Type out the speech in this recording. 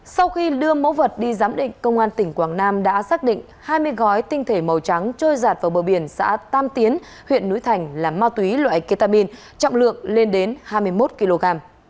sau khi đưa mẫu vật đi giám định công an tỉnh quảng nam đã xác định hai mươi gói tinh thể màu trắng trôi giạt vào bờ biển xã tam tiến huyện núi thành là ma túy loại ketamin trọng lượng lên đến hai mươi một kg